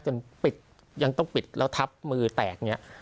จนต้องปิดแล้วทับมือแตก